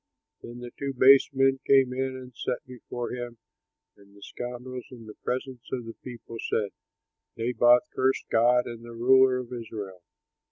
Then the two base men came in and sat before him, and the scoundrels in the presence of the people said, "Naboth cursed God and the ruler of Israel."